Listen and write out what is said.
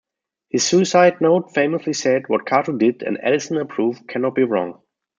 His suicide note famously said: What Cato did, and Addison approved, cannot be wrong.